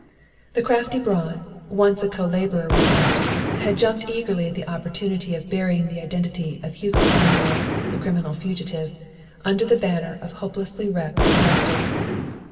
The crafty Braun, once a co laborer with Magdal, had jumped eagerly at the opportunity of burying the identity of Hugo Landor, the criminal fugitive, under the banner of the hopelessly wrecked Magdal.